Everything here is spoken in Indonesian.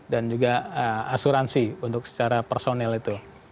dan juga asuransi untuk secara personel itu